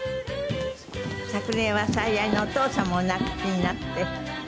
昨年は最愛のお父様をお亡くしになって。